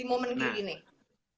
di momen gini nah